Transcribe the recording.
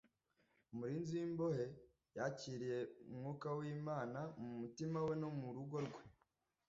Umurinzi w’imbohe yakiriye Mwuka w’Imana mu mutima we no mu rugo rwe